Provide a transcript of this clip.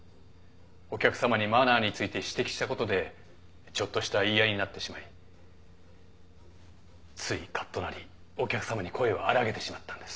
お客さまにマナーについて指摘したことでちょっとした言い合いになってしまいついカッとなりお客さまに声を荒らげてしまったんです。